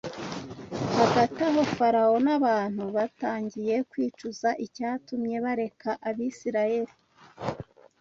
Hagati aho Farawo n’abantu batangiye kwicuza icyatumye bareka Abisirayeli